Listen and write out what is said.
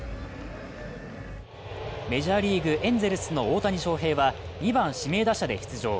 メジャーリーグ、エンゼルスの大谷翔平は２番・指名打者で出場。